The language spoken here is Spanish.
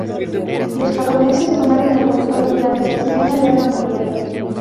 Los japoneses tomaron el control durante la Segunda Guerra Mundial.